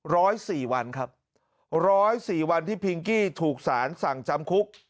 ร้อยสี่วันครับร้อยสี่วันที่พิงกี้ถูกสารสั่งจำคุก